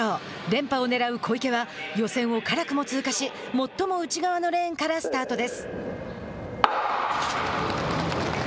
連覇をねらう小池は予選を辛くも通過し最も内側のレーンからスタートです。